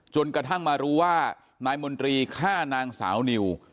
จนกระทั่งมารู้ว่านายมนตรีฆ่านางสาวนิว